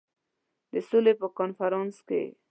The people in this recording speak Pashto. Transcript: د سولي په کنفرانس کې.